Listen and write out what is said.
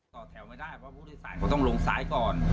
ต่อแถวไม่ได้เพราะผู้โดยสารเขาต้องลงซ้ายก่อน